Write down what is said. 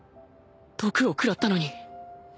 毒をくらったのに